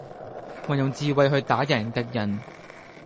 運用智慧去打贏敵人